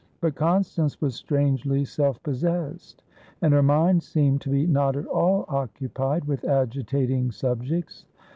But Constance was strangely self possessed, and her mind seemed to be not at all occupied with agitating subjects.